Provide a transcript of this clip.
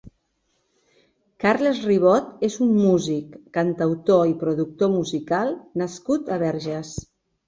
Carles Ribot és un músic, cantautor i productor musical nascut a Verges.